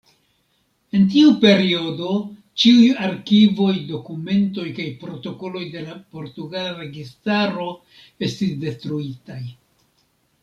En tiu periodo, ĉiuj arkivoj, dokumentoj kaj protokoloj de la portugala registaro estis detruitaj.